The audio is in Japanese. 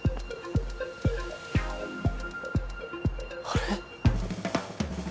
あれ？